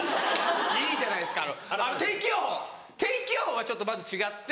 いいじゃないですか天気予報天気予報がちょっとまず違って。